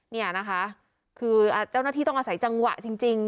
เนี่ยนะคะคือเจ้าหน้าที่ต้องอาศัยจังหวะจริง